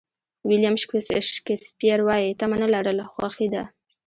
ویلیام شکسپیر وایي تمه نه لرل خوښي ده.